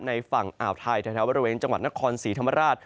ฝั่งอ่าวไทยแถวบริเวณจังหวัดนครศรีธรรมราช